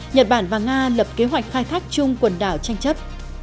nhật bản và nga lập kế hoạch khai thác chung quần đảo tranh chấp